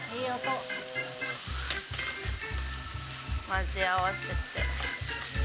混ぜ合わせて。